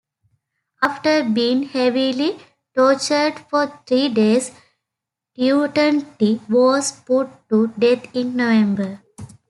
After being heavily tortured for three days, Turuntay was put to death in November.